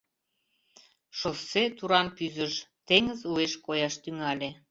Шоссе туран кӱзыш, теҥыз уэш кояш тӱҥале.